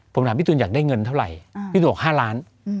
ผมถามพี่ตูนอยากได้เงินเท่าไหร่พี่ตูนบอก๕ล้าน